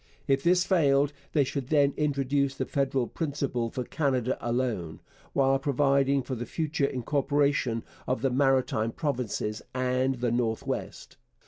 If this failed, they should then introduce the federal principle for Canada alone, while providing for the future incorporation of the Maritime Provinces and the North West.